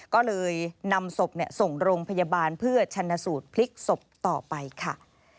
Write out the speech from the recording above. ก็เลยนำศพส่งโรงพยาบาลเพื่อชันสูตรพลิกศพต่อไปค่ะ